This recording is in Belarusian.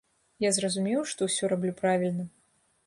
Я зразумеў, што ўсё раблю правільна.